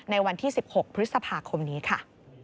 ในวันที่๑๖พฤษภาคมนี้ค่ะ